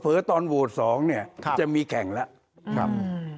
เผลอตอนโหวต๒เนี่ยจะมีแข่งแล้ว